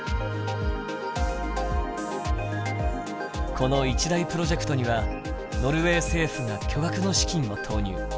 この一大プロジェクトにはノルウェー政府が巨額の資金を投入。